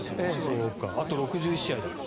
あと６１試合だ。